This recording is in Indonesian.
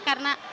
karena dia suka